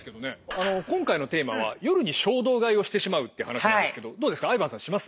あの今回のテーマは「夜に衝動買いをしてしまう」って話なんですけどどうですかＩＶＡＮさんします？